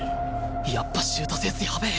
やっぱシュートセンスやべえ！